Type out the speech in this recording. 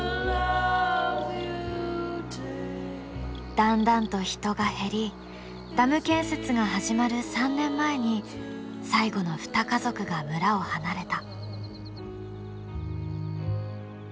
だんだんと人が減りダム建設が始まる３年前に最後の２家族が村を離れた。